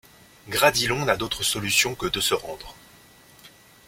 Gradilon n'a d'autres solutions que de se rendre.